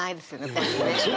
これにね。